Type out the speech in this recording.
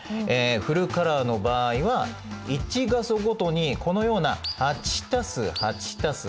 フルカラーの場合は１画素ごとにこのような８足す８足す８。